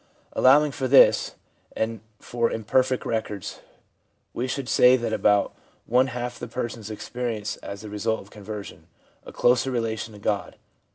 Allowing for this, and for imperfect records, we should say that about one half the persons experience, as the result of conversion, a closer relation to God.